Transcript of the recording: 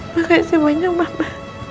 makasih banyak mama